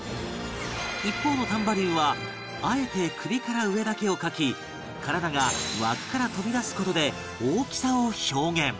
一方の丹波竜はあえて首から上だけを描き体が枠から飛び出す事で大きさを表現